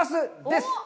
です。